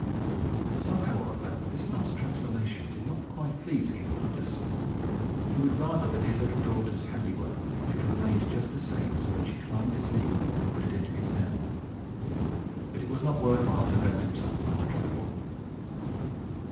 Somehow or other, this last transformation did not quite please King Midas. He would rather that his little daughter's handiwork should have remained just the same as when she climbed his knee and put it into his hand. But it was not worth while to vex himself about a trifle.